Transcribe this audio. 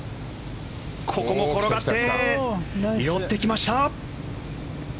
ここも転がって寄ってきました。